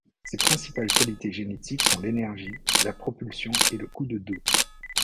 Ses principales qualités génétiques sont l'énergie, la propulsion et le coup de dos.